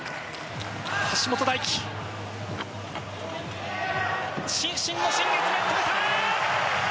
橋本大輝、伸身の新月面止めた！